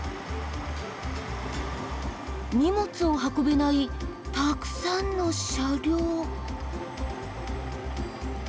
荷物を運べないたくさんの車両？